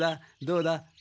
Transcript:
どうだ？